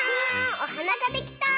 おはなができた！